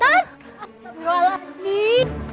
kenapa bu wintar